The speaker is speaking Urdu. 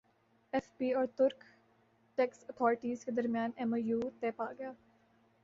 ایف بی اور ترک ٹیکس اتھارٹیز کے درمیان ایم او یو طے پاگیا